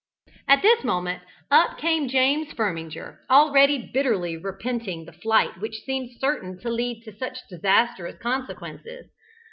At this moment up came James Firminger, already bitterly repenting the flight which seemed certain to lead to such disastrous consequences.